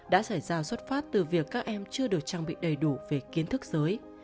đã xảy ra xuất phát từ việc các em chưa được trang bị đầy đủ về kiến thức giới